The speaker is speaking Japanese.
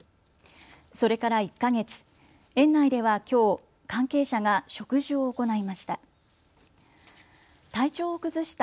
それから１か月、園内ではきょう、関係者が植樹を行いました。